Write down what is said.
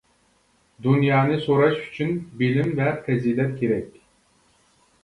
دۇنيانى سوراش ئۈچۈن بىلىم ۋە پەزىلەت كېرەك.